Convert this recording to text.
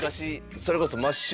それこそ。